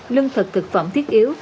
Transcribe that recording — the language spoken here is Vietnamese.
lương thực thực phẩm thiết yếu